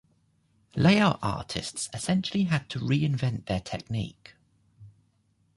Layout artists essentially had to reinvent their technique.